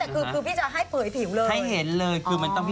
คือเพื่อจะให้เห็นผิว